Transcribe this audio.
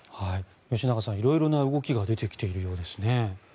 吉永さん、色々な動きが出てきているようですね。